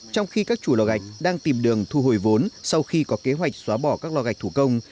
trong khi các chủ lò gạch đang tìm đường thu hồi vốn sau khi có kế hoạch xóa bỏ các lò gạch thủ công